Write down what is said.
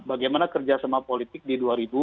bagaimana kerja sama politik di dua ribu dua puluh empat